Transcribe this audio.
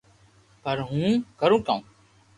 پر ھون ڪرو ڪاو